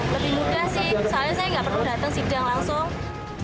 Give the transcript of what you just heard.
lebih mudah sih soalnya saya nggak perlu datang sidang langsung